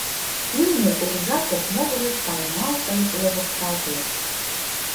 Ӱлнӧ уржа кок могырыш тайналтын ловыкалтеш.